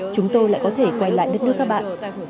chúng tôi lại có thể quay lại đất nước các bạn